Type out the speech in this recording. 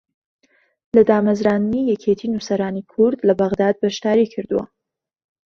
لە دامەزراندنی یەکێتی نووسەرانی کورد لە بەغداد بەشداری کردووە